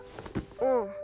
うん。